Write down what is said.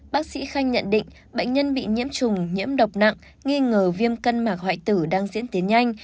bác sĩ khanh nhận định bệnh nhân bị nhiễm trùng nhiễm độc nặng nghi ngờ viêm cân mạc hoại tử đang diễn tiến nhanh